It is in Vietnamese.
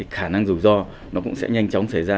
khả năng rủi ro nó cũng sẽ nhanh chóng xảy ra